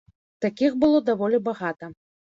Такіх было даволі багата.